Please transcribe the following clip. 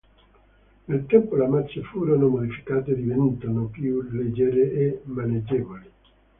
Nel tempo le mazze furono modificate diventando più leggere e maneggevoli.